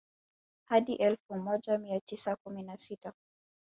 Hadi elfu moja mia tisa kumi na sita